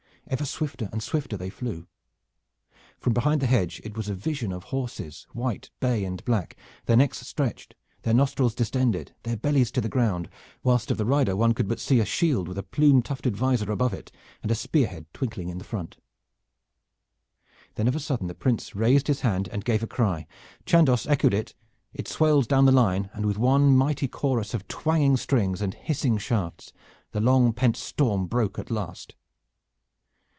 Ever swifter and swifter they flew. From behind the hedge it was a vision of horses, white, bay and black, their necks stretched, their nostrils distended, their bellies to the ground, whilst of the rider one could but see a shield with a plume tufted visor above it, and a spear head twinkling in front. Then of a sudden the Prince raised his hand and gave a cry. Chandos echoed it, it swelled down the line, and with one mighty chorus of twanging strings and hissing shafts the long pent storm broke at last.